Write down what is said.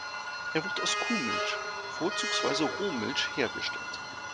Er wird aus Kuhmilch, vorzugsweise Rohmilch, hergestellt.